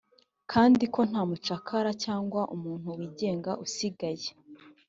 kandi ko nta mucakara cyangwa umuntu wigenga usigaye.